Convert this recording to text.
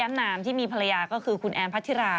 คนที่มีภรรยาก็คือคุณแอนพัชธิระ